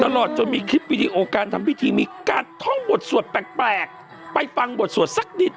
ตลอดจนมีคลิปวิดีโอการทำพิธีมีการท่องบทสวดแปลกไปฟังบทสวดสักนิด